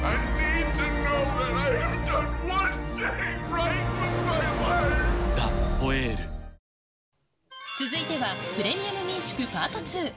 お前もあざす続いては、プレミアム民宿パート２。